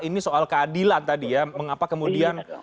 ini soal keadilan tadi ya mengapa kemudian